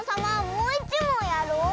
もういちもんやろう！